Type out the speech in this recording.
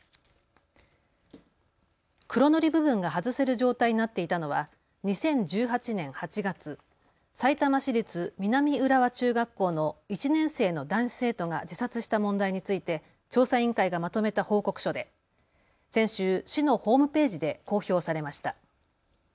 黒塗り部分が外せる状態になっていたのは２０１８年８月、さいたま市立南浦和中学校の１年生の男子生徒が自殺した問題について調査委員会がまとめた報告書で先週、市のホームページで公表されました。